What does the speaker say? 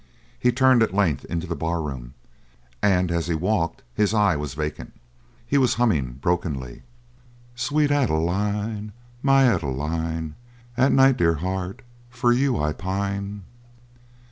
He turned at length into the barroom and as he walked his eye was vacant. He was humming brokenly: _"Sweet Adeline, my Adeline, At night, dear heart, for you I pine."